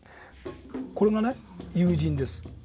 これがね友人です。